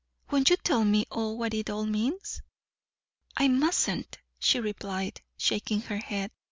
Won't you tell me what it all means?" "I mustn't," she replied, shaking her head.